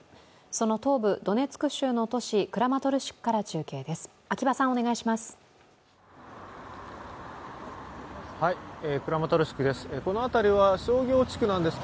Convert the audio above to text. その東部・ドネツク州の都市クラマトルシクから中継です。